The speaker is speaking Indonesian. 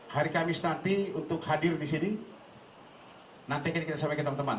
hari kamis nanti untuk hadir di sini nanti kita sampaikan teman teman